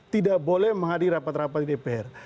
tidak boleh menghadiri rapat rapat di dpr